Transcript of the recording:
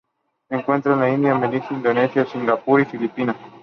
Se encuentra en la India, Malasia, Indonesia, Singapur y Filipinas.